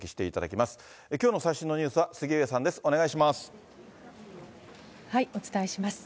きょうの最新のニュースは杉上さんです。